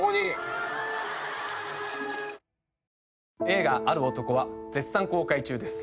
映画『ある男』は絶賛公開中です。